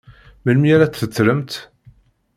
Melmi ara tt-tettremt?